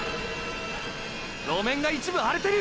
路面が一部荒れてる！！